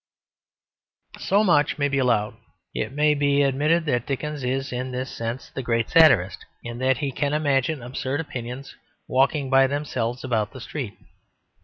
So much may be allowed; it may be admitted that Dickens is in this sense the great satirist, in that he can imagine absurd opinions walking by themselves about the street.